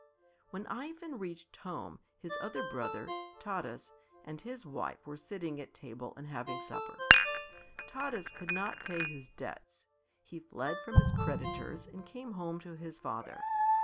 When Ivan reached home, his other brother, Taras, and his wife were sitting at table and having supper. Taras could not pay his debts; he fled from his creditors and came home to his father.